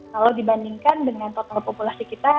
kalau dibandingkan dengan total populasi kita